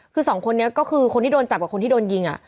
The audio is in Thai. คือสองคนนี้ก็คือคนที่โดนจับกับคนที่โดนยิง